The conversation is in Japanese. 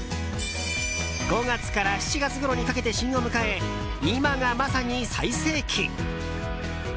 ５月から７月ごろにかけて旬を迎え、今がまさに最盛期！